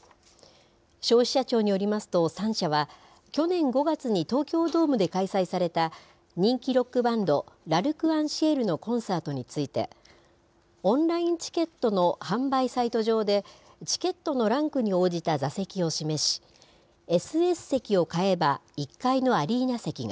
消費者庁によりますと、３社は去年５月に東京ドームで開催された、人気ロックバンド、ＬｒｃｅｎＣｉｅｌのコンサートについて、オンラインチケットの販売サイト上で、チケットのランクに応じた座席を示し、ＳＳ席を買えば１階のアリーナ席が、